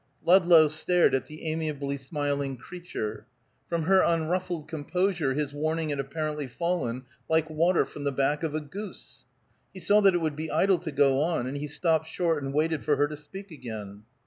Ludlow stared at the amiably smiling creature. From her unruffled composure his warning had apparently fallen like water from the back of a goose. He saw that it would be idle to go on, and he stopped short and waited for her to speak again.